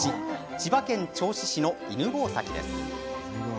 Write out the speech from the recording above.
千葉県銚子市の犬吠埼です。